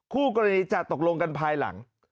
คู่กรณีจะตกลงกันภายหลัง